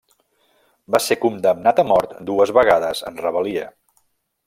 Va ser condemnat a mort dues vegades en rebel·lia.